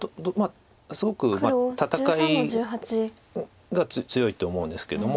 すごく戦いが強いと思うんですけども。